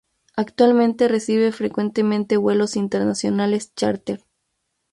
Actualmente recibe frecuentemente vuelos internacionales chárter.